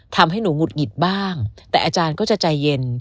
ทำให้หนูหงุดหงิดบ้างแต่อาจารย์ก็จะใจเย็น